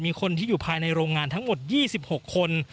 มีคนที่อยู่ภายในโรงงานทั้งหมด๒๖คน